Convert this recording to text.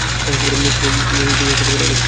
তুমি অনেক খারাপ!